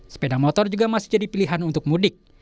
sepeda motor juga masih jadi pilihan untuk mudik